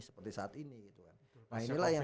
seperti saat ini gitu kan nah inilah yang